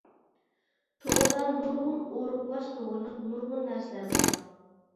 توردا نۇرغۇن ئورۇقلاش توغرىلىق نۇرغۇن نەرسىلەر بار.